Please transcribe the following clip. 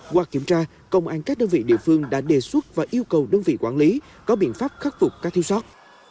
qua kiểm tra công an các đơn vị địa phương đã đề xuất và yêu cầu đơn vị quản lý có biện pháp khắc phục các thiếu sót